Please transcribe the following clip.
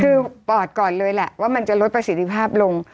คือปอดก่อนเลยแหละว่ามันจะลดประสิทธิภาพลง